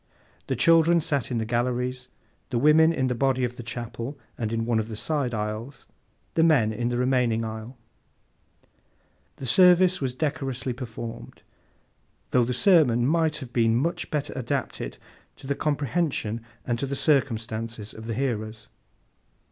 The children sat in the galleries; the women in the body of the chapel, and in one of the side aisles; the men in the remaining aisle. The service was decorously performed, though the sermon might have been much better adapted to the comprehension and to the circumstances of the hearers.